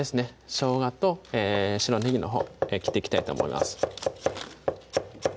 しょうがと白ねぎのほう切っていきたいと思います